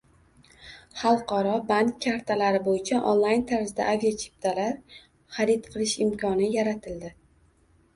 Xalqaro bank kartalari bo‘yicha onlayn tarzda aviachiptalar xarid qilish imkoni yaratildi